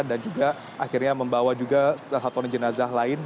dan juga akhirnya membawa juga satu jenazah lain